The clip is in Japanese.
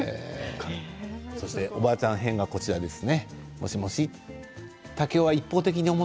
おばあちゃん編がこちらです。